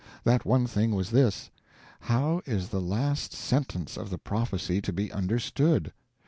That one thing was this: How is the last sentence of the prophecy to be understood?